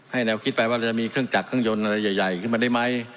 แนวคิดไปว่าเราจะมีเครื่องจักรเครื่องยนต์อะไรใหญ่ขึ้นมาได้ไหม